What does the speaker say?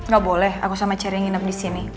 gak boleh aku sama cherry yang nginep disini